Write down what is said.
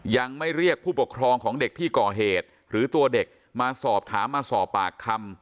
ยังไม่เรียกผู้ปกครองของเด็กที่ก่อเหตุหรือตัวเด็กมาสอบถามมาสอบปากคำ